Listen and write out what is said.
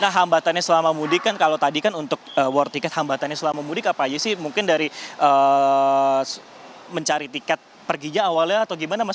nah hambatannya selama mudik kan kalau tadi kan untuk war ticket hambatannya selama mudik apa aja sih mungkin dari mencari tiket perginya awalnya atau gimana mas